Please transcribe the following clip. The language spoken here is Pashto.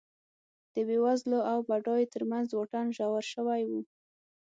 د بېوزلو او بډایو ترمنځ واټن ژور شوی و